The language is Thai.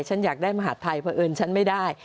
ฉันอยากได้มหาดไทยเพราะเอิญฉันไม่ได้